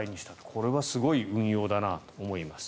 これはすごい運用だなと思います。